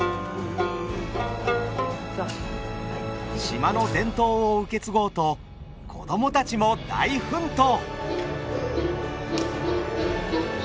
島の伝統を受け継ごうと子供たちも大奮闘！